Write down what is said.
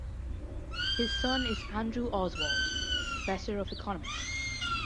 His son is Andrew Oswald, Professor of Economics.